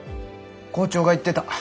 校長が言ってた。